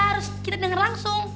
harus kita denger langsung